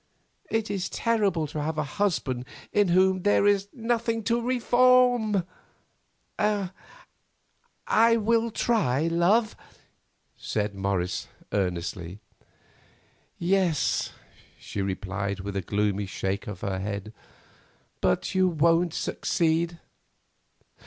It is terrible to have a husband in whom there is nothing to reform." "I will try, love," said Morris, earnestly. "Yes," she replied, with a gloomy shake of the head, "but you won't succeed.